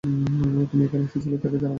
তুমি এখানে এসেছিলে তাকে জানানো যাবেনা।